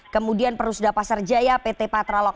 kemudian perusda pasar jaya pt patralok